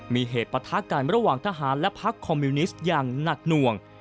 มีเหตุประทะกันระหว่างทหารและพักคอมมิวนิสต์อย่างหนักหน่วง